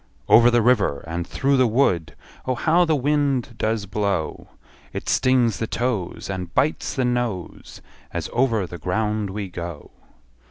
Over the river, and through the wood, Oh, how the wind does blow! It stings the toes, And bites the nose, As over the ground we go.